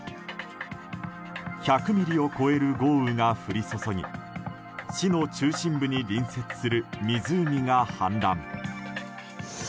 １００ミリを超える豪雨が降り注ぎ市の中心部に隣接する湖が氾濫。